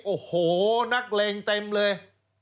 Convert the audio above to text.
โอ้โหนักเลงเต็มเลย